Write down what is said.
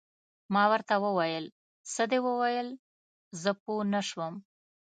ما ورته وویل: څه دې وویل؟ زه پوه نه شوم.